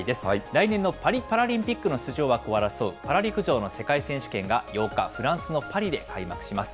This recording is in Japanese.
来年のパリパラリンピックの出場枠を争う、パラ陸上の世界選手権が８日、フランスのパリで開幕します。